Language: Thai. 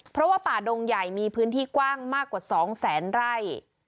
เพราะว่าป่าดงใหญ่มีพื้นที่กว้างมากกว่า๒แสนไร่